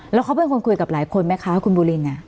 แล้วเขาเป็นคนคุยกับหลายคนไหมคะคุณบูริน